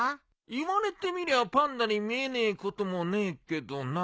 言われてみりゃパンダに見えねえこともねえけどな。